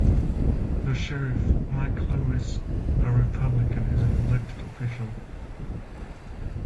The sheriff, Mike Lewis, a Republican, is an elected official.